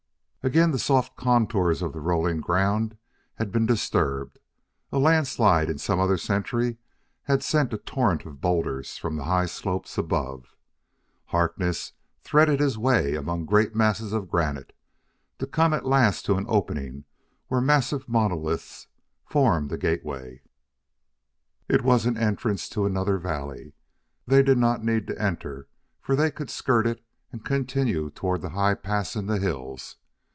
Again the soft contours of the rolling ground had been disturbed: a landslide in some other century had sent a torrent of boulders from the high slopes above. Harkness threaded his way among great masses of granite to come at last to an opening where massive monoliths formed a gateway. It was an entrance to another valley. They did not need to enter, for they could skirt it and continue toward the high pass in the hills.